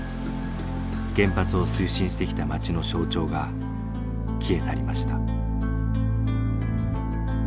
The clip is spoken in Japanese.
原発を推進してきた町の象徴が消え去りました。